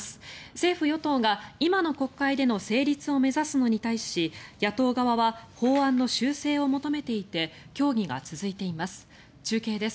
政府・与党が今の国会での成立を目指すのに対し野党側は法案の修正を求めていて協議が続いています。